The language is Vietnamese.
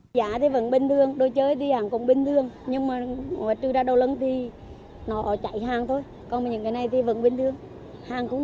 giá thì vẫn bình thường đồ chơi thì hàng cũng bình thường nhưng mà trừ ra đầu lân thì nó chạy hàng thôi còn những cái này thì vẫn bình thường hàng cũng